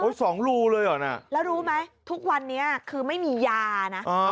สองรูเลยเหรอน่ะแล้วรู้ไหมทุกวันนี้คือไม่มียานะ